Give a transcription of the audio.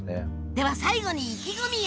では最後に意気込みを！